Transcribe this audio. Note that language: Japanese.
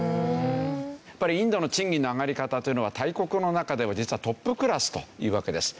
やっぱりインドの賃金の上がり方というのは大国の中では実はトップクラスというわけです。